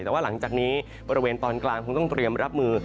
แต่ว่าหลังจากนี้บริเวณตอนกลางคงต้องเตรียมรับมือ